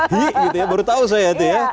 hyu gitu ya baru tahu saya itu ya